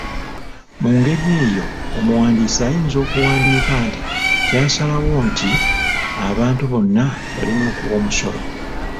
Mu ngeri eyo omuwandiisi ayinza okuwandiika nti kyasalwawo nti abantu bonna balina okuwa omusolo.